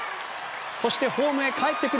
そしてホームへかえってくる。